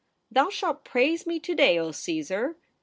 '' Thou shalt praise me to day, O Caesar